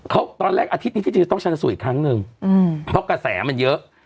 เขาตอนแรกอาทิตย์นี้ที่จริงจะต้องชนะสูตรอีกครั้งหนึ่งอืมเพราะกระแสมันเยอะ